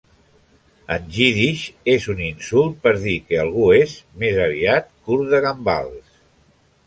En jiddisch, és un insult per dir que algú és, més aviat, curt de gambals.